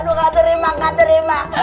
aduh gak terima gak terima